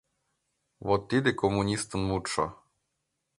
— Вот тиде коммунистын мутшо.